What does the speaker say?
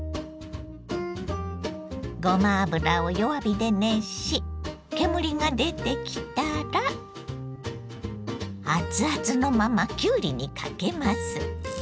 ごま油を弱火で熱し煙が出てきたらアツアツのままきゅうりにかけます。